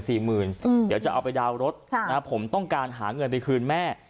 เดี๋ยวจะเอาไปดาวน์รถผมต้องการหาเงินไปคืนแม่